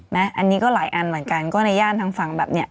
อันนี้ก็หลายอันเหมือนกันก็ในย่านทางฝั่งแบบนี้